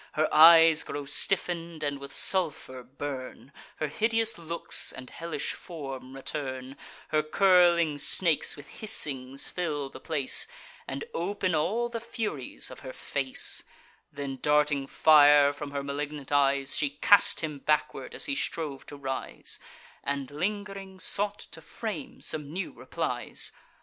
Her eyes grow stiffen'd, and with sulphur burn; Her hideous looks and hellish form return; Her curling snakes with hissings fill the place, And open all the furies of her face: Then, darting fire from her malignant eyes, She cast him backward as he strove to rise, And, ling'ring, sought to frame some new replies.